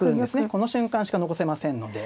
この瞬間しか残せませんので。